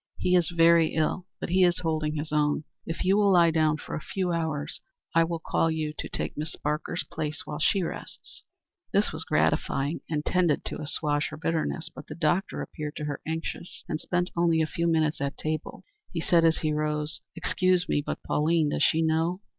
"He is very ill, but he is holding his own. If you will lie down for a few hours, I will call you to take Miss Barker's place while she rests." This was gratifying, and tended to assuage her bitterness. But the doctor appeared to her anxious, and spent only a few minutes at table. He said as he rose, "Excuse me, but Pauline does she know?"